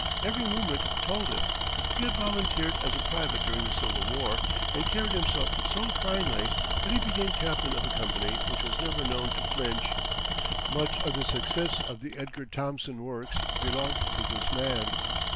Every movement told it. He had volunteered as a private during the Civil War and carried himself so finely that he became captain of a company which was never known to flinch. Much of the success of the Edgar Thomson Works belongs to this man.